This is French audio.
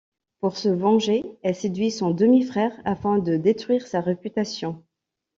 Pour se venger, elle séduit son demi-frère afin de détruire sa réputation.